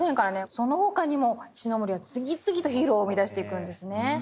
その他にも石森は次々とヒーローを生み出していくんですね。